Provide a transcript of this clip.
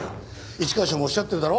一課長もおっしゃってるだろ？